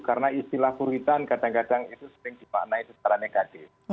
karena istilah buritan kadang kadang itu sering dipakai secara negatif